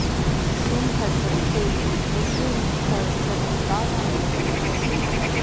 Слымҳа ҵырхит, ужәы иҳәҳәоит, дара ртәала акы рҳәоит…